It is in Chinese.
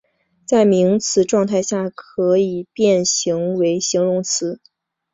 在名词状态下可以变形为形容词。